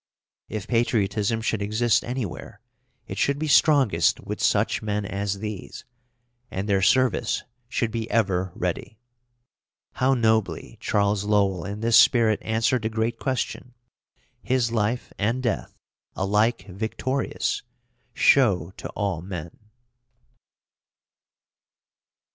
If patriotism should exist anywhere, it should be strongest with such men as these, and their service should be ever ready. How nobly Charles Lowell in this spirit answered the great question, his life and death, alike victorious, show to all men.